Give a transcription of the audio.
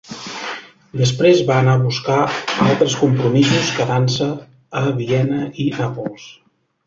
Després va anar a buscar altres compromisos, quedant-se a Viena i Nàpols.